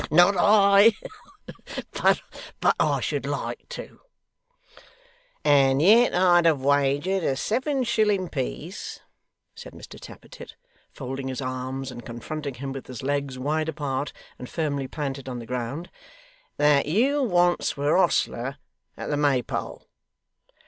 Not I! But I should like to.' 'And yet I'd have wagered a seven shilling piece,' said Mr Tappertit, folding his arms, and confronting him with his legs wide apart and firmly planted on the ground, 'that you once were hostler at the Maypole.